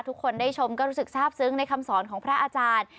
ทุกคนได้ชมก็รู้สึกทราบซึ้งในคำสอนของพระอาจารย์